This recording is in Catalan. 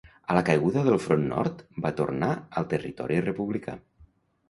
A la caiguda del front Nord va tornar al territori republicà.